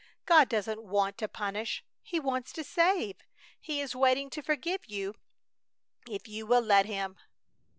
"God doesn't want to punish. He wants to save. He is waiting to forgive you if you will let Him!"